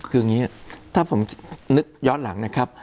คืออย่างนี้ถ้าผมนึกย้อนหลังนะครับ